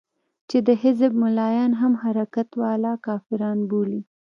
چې د حزب ملايان هم حرکت والا کافران بولي.